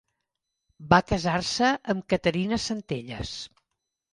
Va casar-se amb Caterina Centelles.